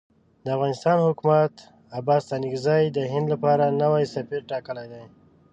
د افغانستان حکومت عباس ستانکزی د هند لپاره نوی سفیر ټاکلی دی.